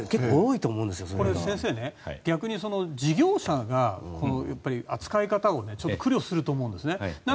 先生、逆に事業者が扱い方を苦慮すると思うんですね。